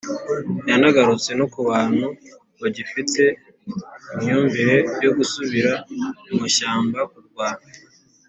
yanagarutse no kubantu bagifite imyumvire yo gusubira mu ishyamba kurwana